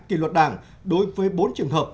kỳ luật đảng đối với bốn trường hợp